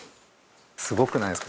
すごくないですか？